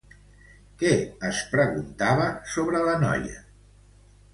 Què es preguntava sobre la noia?